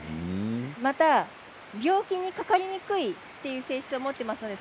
また病気にかかりにくい性質を持っていますので